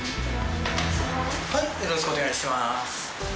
よろしくお願いします。